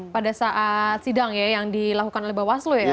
pada saat sidang ya yang dilakukan oleh bawaslu ya